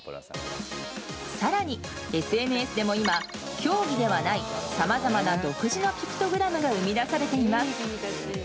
更に、ＳＮＳでも今競技ではないさまざまな独自のピクトグラムが生み出されています。